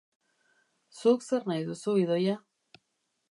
Zuk zer nahi duzu, Idoia?